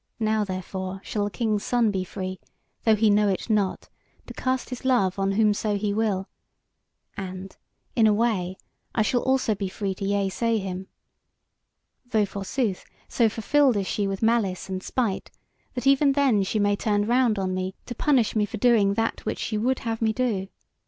Now, therefore, shall the King's Son be free, though he know it not, to cast his love on whomso he will; and, in a way, I also shall be free to yeasay him. Though, forsooth, so fulfilled is she with malice and spite, that even then she may turn round on me to punish me for doing that which she would have me do.